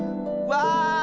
わあ！